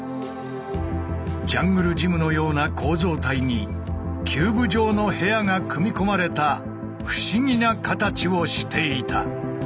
ジャングルジムのような構造体にキューブ状の部屋が組み込まれた不思議な形をしていた。